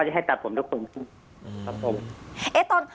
ด้วยให้ตัดผมทุกคน